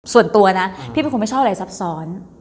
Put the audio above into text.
ส่วนตัวนะพี่เป็นคนไม่ชอบอะไรซับซ้อน